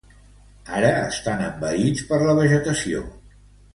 Ara, estan envaïts per la vegetació.